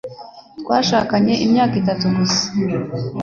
Twashakanye imyaka itatu gusa.